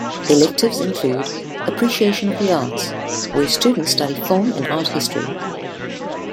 Electives include 'Appreciation of the Arts', where students study film and art history.